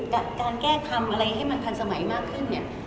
การแก้คำอะไรให้มันทันสมัยมากขึ้นเนี่ย